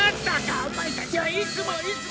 オマエたちはいつもいつも！